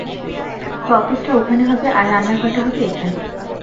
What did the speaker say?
তো, অফিসটা ওখানে হবে, আর, রান্নাঘরটা হবে এখানে।